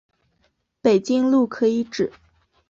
北京路可以指